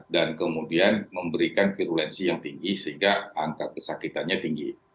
dan kemudian memberikan virulensi yang tinggi sehingga angka kesakitannya tinggi